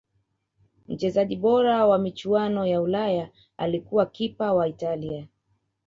mchezaji bora wa michuano ya ulaya alikuwa kipa wa italia